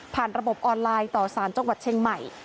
ระบบออนไลน์ต่อสารจังหวัดเชียงใหม่